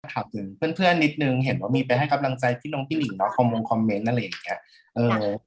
ถามถามเพื่อนนิดนึงเห็นว่ามีไปให้กำลังใจพี่น้องพี่หลีกเค้ามองคอมเม้นต์อะไรอย่างนี้